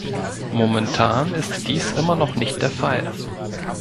Momentan ist dies immer noch nicht der Fall.